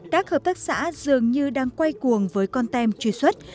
các hợp tác xã dường như đang quay cuồng với con tem truy xuất